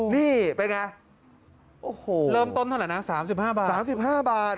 นี่เป็นไงโอ้โหเริ่มต้นเท่าไหร่นะ๓๕บาท๓๕บาท